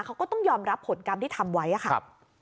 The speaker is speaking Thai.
เขาก็ต้องยอมรับผลกรรมที่ทำไว้ค่ะ